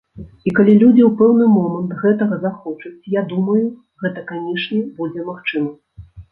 І калі людзі ў пэўны момант гэтага захочуць, я думаю, гэта, канечне, будзе магчыма.